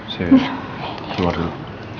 saya keluar dulu